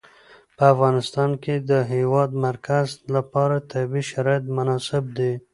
په افغانستان کې د د هېواد مرکز لپاره طبیعي شرایط مناسب دي.